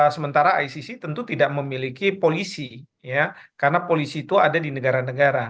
sementara icc tentu tidak memiliki polisi karena polisi itu ada di negara negara